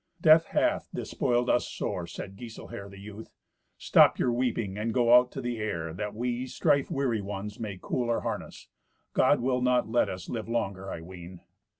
"Death hath despoiled us sore," said Giselher the youth. "Stop your weeping, and go out to the air, that we strife weary ones may cool our harness. God will not let us live longer, I ween."